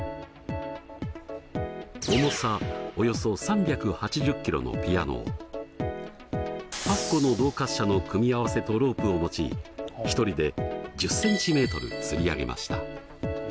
重さおよそ３８０キロのピアノを８個の動滑車の組み合わせとロープを用い１人で１０ｃｍつり上げました。